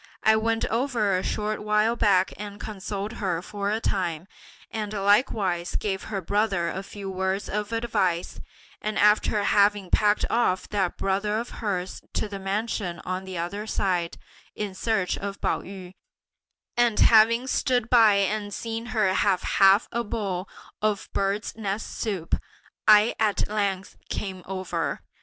I went over a short while back and consoled her for a time, and likewise gave her brother a few words of advice; and after having packed off that brother of hers to the mansion on the other side, in search of Pao yü, and having stood by and seen her have half a bowl of birds' nests soup, I at length came over.